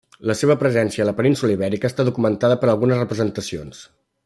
La seva presència a la península Ibèrica està documentada per algunes representacions.